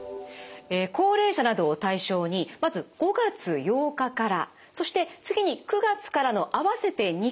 高齢者などを対象にまず５月８日からそして次に９月からの合わせて２回ですね